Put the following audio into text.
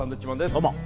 どうも。